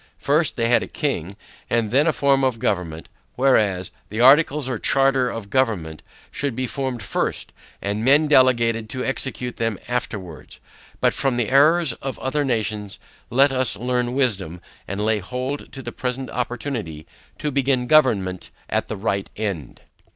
First, they had a king, and then a form of government; whereas, the articles or charter of government, should be formed first, and men delegated to execute them afterwards: but from the errors of other nations, let us learn wisdom, and lay hold of the present opportunity TO BEGIN GOVERNMENT AT THE RIGHT END.